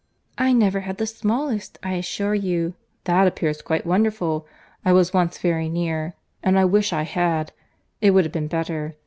"I never had the smallest, I assure you." "That appears quite wonderful. I was once very near—and I wish I had—it would have been better.